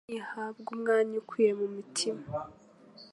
Imana nihabwa umwanya uyikwiye mu mutima,